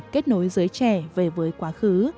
kết nối giới trẻ về với quá khứ